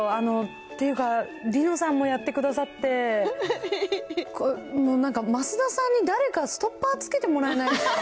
っていうか、梨乃さんもやってくださって、もうなんか、増田さんにだれかストッパーつけてもらえないですかね。